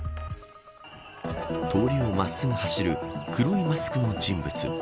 通りを真っすぐ走る黒いマスクの人物。